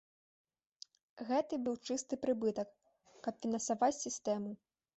Гэты быў чысты прыбытак, каб фінансаваць сістэму.